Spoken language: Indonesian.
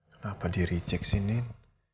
kenapa di reject sih nin